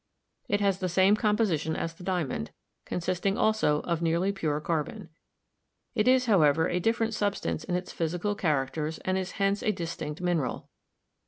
It has the same composition as the diamond, consisting also of nearly pure carbon; it is, however, a different substance in its physical characters and is hence a distinct mineral.